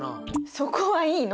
そこはいいの。